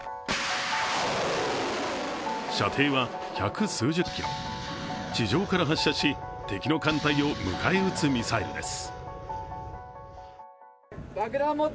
射程は百数十キロ地上から発射し敵の艦隊を迎え撃つミサイルです。